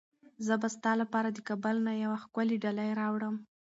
زه به ستا لپاره د کابل نه یوه ښکلې ډالۍ راوړم.